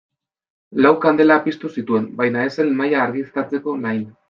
Lau kandela piztu zituen baina ez zen mahaia argiztatzeko lain.